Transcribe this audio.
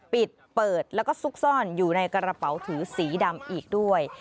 เปิดแล้วก็ซุกซ่อนอยู่ในกระเป๋าถือสีดำอีกด้วย